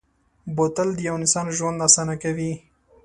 بوتل د یو انسان ژوند اسانه کوي.